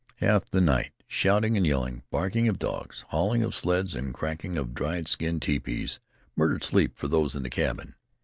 Half the night, shouting and yelling, barking dogs, hauling of sleds and cracking of dried skin tepees murdered sleep for those in the cabin.